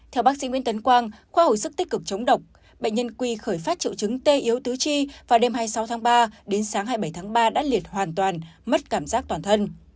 theo bác sĩ nguyễn tấn quang khoa hồi sức tích cực chống độc bệnh nhân quy khởi phát triệu chứng tê yếu tứ chi vào đêm hai mươi sáu tháng ba đến sáng hai mươi bảy tháng ba đã liệt hoàn toàn mất cảm giác toàn thân